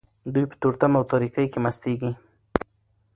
دوی په تورتم او تاریکۍ کې مستیږي.